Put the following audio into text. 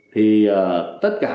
thì tất cả